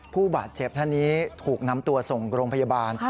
ผู้บาดเจ็บท่านนี้ถูกนำตัวส่งโรงพยาบาล